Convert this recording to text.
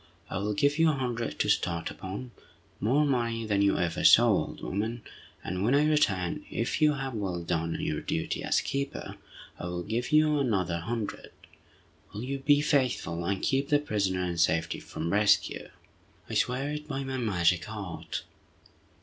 I will give you a hundred to start upon—more money than you ever saw, old woman, and when I return, if you have well done your duty as keeper, I will give you another hundred. Will you be faithful and keep the prisoner in safety from rescue?" "I swear it by my magic art!"